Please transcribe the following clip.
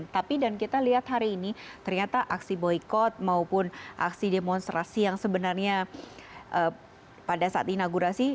tapi dan kita lihat hari ini ternyata aksi boykot maupun aksi demonstrasi yang sebenarnya pada saat inaugurasi